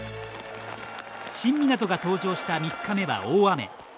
新湊が登場した３日目は大雨。